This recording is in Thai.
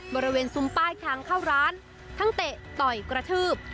บริเวณซุ้มป้ายทางเข้าร้านทั้งเตะต่อยกระทืบ